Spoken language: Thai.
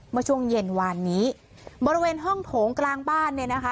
เมื่อช่วงเย็นวานนี้บริเวณห้องโถงกลางบ้านเนี่ยนะคะ